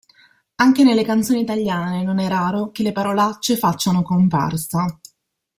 Anche nelle canzoni italiane non è raro che le parolacce facciano comparsa.